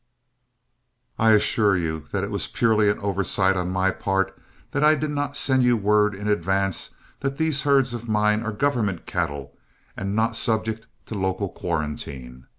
I assure you that it was purely an oversight on my part that I did not send you word in advance that these herds of mine are government cattle and not subject to local quarantine.